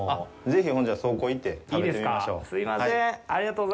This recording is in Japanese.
ぜひ、それじゃ、倉庫へ行って食べてみましょう。